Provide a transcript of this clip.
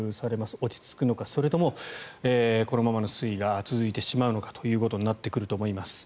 落ち着くのかそれともこのままの推移が続いてしまうのかということになってくると思います。